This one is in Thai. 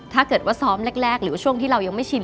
ถ้าเกิดว่าซ้อมแรกหรือว่าช่วงที่เรายังไม่ชิน